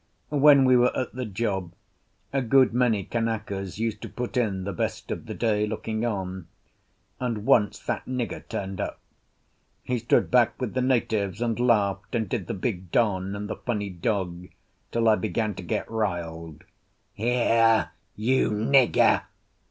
When we were at the job a good many Kanakas used to put in the best of the day looking on, and once that nigger turned up. He stood back with the natives and laughed and did the big don and the funny dog, till I began to get riled. "Here, you nigger!"